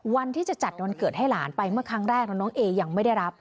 วันที่จะจัดวันเกิดให้หลานไปเมื่อครั้งแรกแล้วน้องเอยังไม่ได้รับ